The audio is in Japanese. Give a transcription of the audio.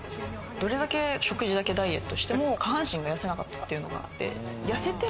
どれだけ食事だけダイエットしても、下半身が痩せなかったっていうのがあって。